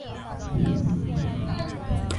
葬于京都府京都市东山区的月轮陵。